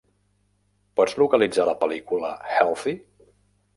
Pots localitzar la pel·lícula, Healthy?